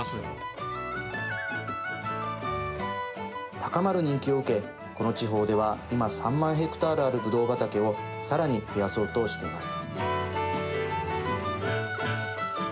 高まる人気を受けこの地方では今３万ヘクタールあるぶどう畑をさらに増やそうとしています。